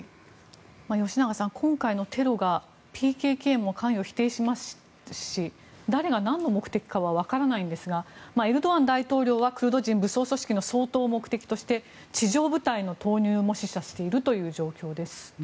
吉永さん、今回のテロがＰＫＫも関与していますし誰が何の目的かはわからないですがエルドアン大統領はクルド人武装組織の掃討を目的として地上部隊の投入も示唆しているという状況です。